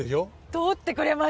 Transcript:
通ってくれました。